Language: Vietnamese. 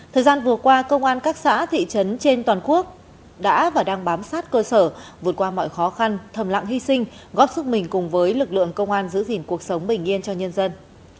thời gian vừa qua công an các xã thị trấn trên toàn quốc đã và đang bám sát cơ sở vượt qua mọi khó khăn thầm lặng hy sinh góp sức mình cùng với lực lượng công an giữ gìn cuộc sống bình yên cho nhân dân